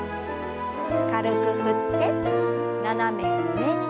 軽く振って斜め上に。